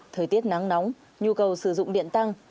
thời tiết nắng nóng nhu cầu sử dụng điện tăng